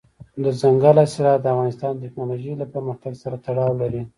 دځنګل حاصلات د افغانستان د تکنالوژۍ له پرمختګ سره تړاو لري.